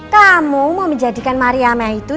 kamu mau menjadikan mariama itu